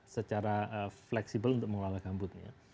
secara fleksibel untuk mengelola gambutnya